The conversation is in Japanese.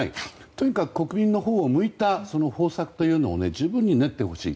とにかく国民のほうを向いた方策というのを十分に練ってほしい。